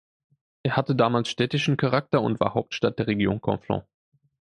Er hatte damals städtischen Charakter und war Hauptstadt der Region Conflent.